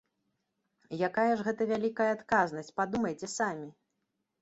Якая ж гэта вялікая адказнасць, падумайце самі!